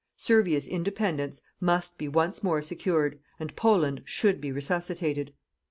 Servia's independence MUST be once more secured, and Poland SHOULD be resuscitated.